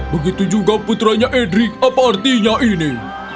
begitu juga putranya edrik apa artinya ini